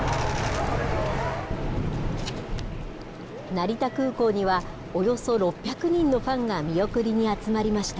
成田空港には、およそ６００人のファンが見送りに集まりました。